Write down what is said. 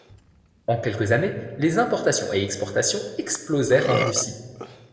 En quelques années, les importations et exportations explosèrent en Russie.